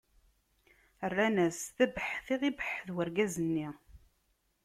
Rran-as: D abeḥḥet i ɣ-ibeḥḥet urgaz-nni.